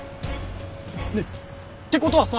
ねえって事はさ